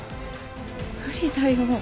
無理だよ。